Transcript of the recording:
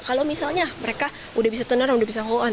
kalau misalnya mereka sudah bisa turn around sudah bisa hold on